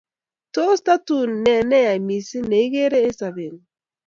tos tatuu ne neya mising nekiigeer eng sobeng'ung?